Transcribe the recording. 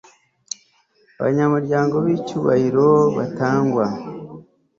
abanyamuryango bicyubahiro batangwa